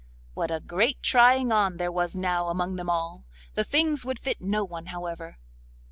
What a great trying on there was now among them all! The things would fit no one, however.